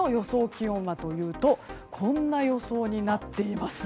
気温はというとこんな予想になっています。